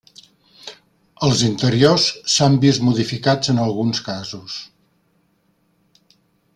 Els interiors s'han vist modificats en alguns casos.